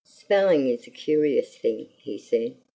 "Spelling is a curious thing," he said.